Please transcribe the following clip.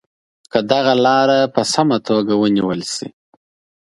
که دغه لاره په سمه توګه ونیول شي.